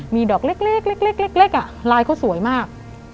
มีดอกเล็กลายเขาสวยมาก